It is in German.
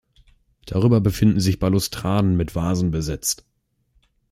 Darüber befinden sich Balustraden mit Vasen besetzt.